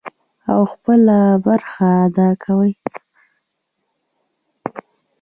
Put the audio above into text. او خپله برخه ادا کوي.